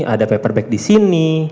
ada paperback disini